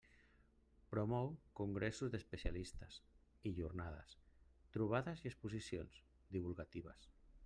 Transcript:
Promou congressos d'especialistes i jornades, trobades i exposicions divulgatives.